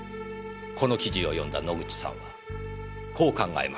この記事を読んだ野口さんはこう考えました。